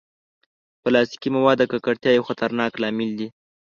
پلاستيکي مواد د ککړتیا یو خطرناک لامل دي.